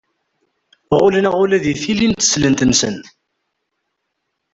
Ɣullen-aɣ ula deg tili n teslent-nsen.